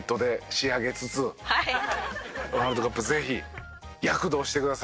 ワールドカップぜひ躍動してください。